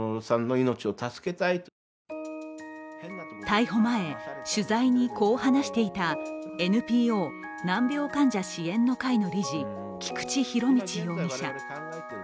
逮捕前、取材にこう話していたＮＰＯ難病患者支援の会の理事・菊池仁達容疑者。